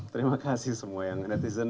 terima kasih semua yang netizen